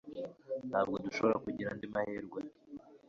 Ntabwo dushobora kugira andi mahirwe